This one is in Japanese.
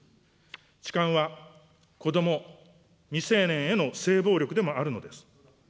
痴漢は子ども、未成年への性暴力でもあるのです。